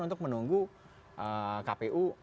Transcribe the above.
untuk menunggu kpu